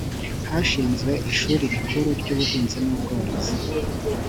hashinzwe ishuri rikuru ry ‘ubuhinzi n ‘ubworozi